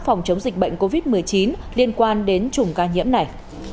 phòng chống dịch bệnh covid một mươi chín liên quan đến chủng ca nhiễm này